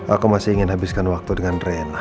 aku masih ingin habiskan waktu dengan ren